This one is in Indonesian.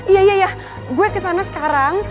iya iya ya gue kesana sekarang